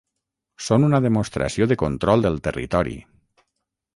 Són una demostració de control del territori.